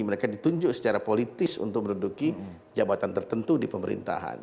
mereka ditunjuk secara politis untuk meruduki jabatan tertentu di pemerintahan